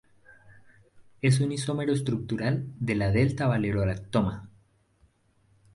Es un isómero estructural de la delta-valerolactona.